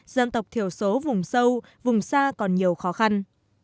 dân tộc thiểu số vùng sâu vùng xa còn nhiều khó khăn